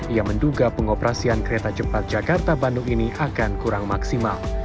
ia menduga pengoperasian kereta cepat jakarta bandung ini akan kurang maksimal